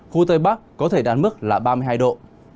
khu tây bắc có thể đán mức là ba mươi hai độ